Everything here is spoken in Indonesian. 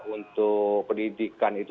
untuk pendidikan itu